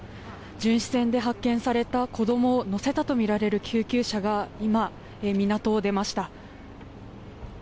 巡視船で発見された子供を乗せたとみられる救急車が今、港を出ました。